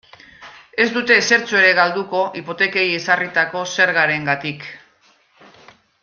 Ez dute ezertxo ere galduko hipotekei ezarritako zergarengatik.